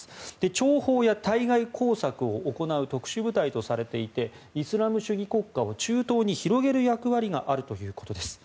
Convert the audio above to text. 諜報や対外工作を行う特殊部隊とされていてイスラム主義国家を中東に広げる役割があるということです。